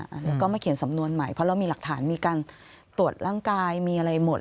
แล้วก็มาเขียนสำนวนใหม่เพราะเรามีหลักฐานมีการตรวจร่างกายมีอะไรหมด